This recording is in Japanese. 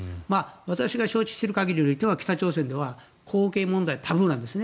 私が承知している限りにおいては北朝鮮では後継問題はタブーなんですね。